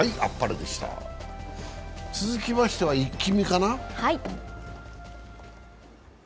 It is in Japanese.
続きましては「イッキ見」かな。